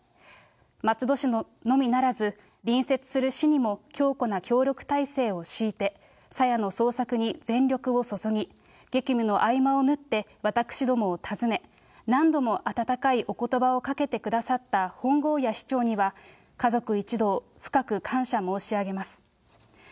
松戸市のみならず、隣接する市にも強固な協力体制を敷いて、さやの捜索に全力を注ぎ、激務の合間を縫って私どもを訪ね、何度も温かいおことばをかけてくださった本郷谷市長には家族一同、深く感謝申し上げます。